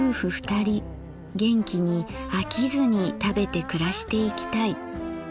２人元気に飽きずに食べて暮らしていきたい。